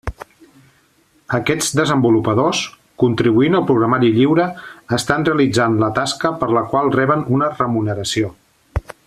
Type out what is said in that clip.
Aquests desenvolupadors, contribuint al programari lliure, estan realitzant la tasca per la qual reben una remuneració.